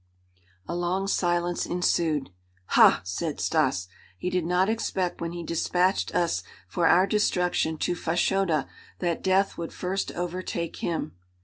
A long silence ensued. "Ha!" said Stas. "He did not expect when he despatched us for our destruction to Fashoda that death would first overtake him."